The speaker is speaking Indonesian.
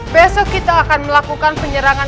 besok kita akan melakukan penyerangan